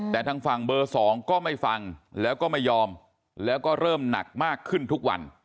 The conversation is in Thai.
แต่ทางฝั่งเบอร์๒ก็ไม่ฟังแล้วก็ไม่ยอมแล้วก็เริ่มหนักมากขึ้นทุกวัน